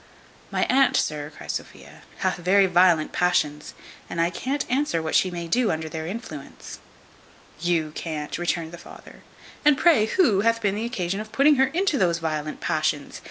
"My aunt, sir," cries Sophia, "hath very violent passions, and I can't answer what she may do under their influence." "You can't!" returned the father: "and pray who hath been the occasion of putting her into those violent passions?